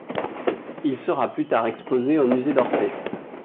Il sera plus tard exposé au musée d'Orsay.